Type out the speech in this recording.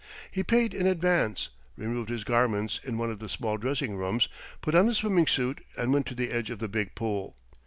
He paid in advance, removed his garments in one of the small dressing rooms, put on a swimming suit and went to the edge of the big pool.